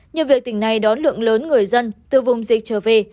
nhờ việc tỉnh này đón lượng lớn người dân từ vùng dịch trở về